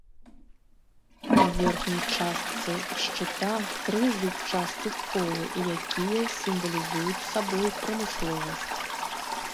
У верхняй частцы шчыта тры зубчастых колы, якія сімвалізуюць сабой прамысловасць.